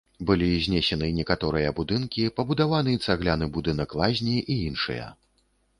Былі знесены некаторыя будынкі, пабудаваны цагляны будынак лазні і іншыя.